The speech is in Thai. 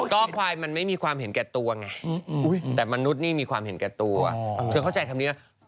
ก็ควายมันไม่มีความเห็นแก่ตัวไงแต่มนุษย์นี่มีความเห็นแก่ตัวเธอเข้าใจคำนี้นะ